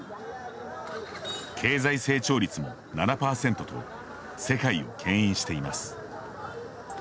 経済成長率も７％と世界をけん引しています。